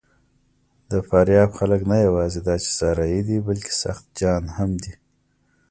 د فاریاب خلک نه یواځې دا چې صحرايي دي، بلکې سخت جان هم دي.